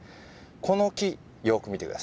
この木よく見て下さい。